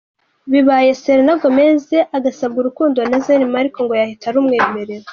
Bibaye Selena Gomez agasabwa urukundo na Zayn Malik ngo yahita arumwemerera.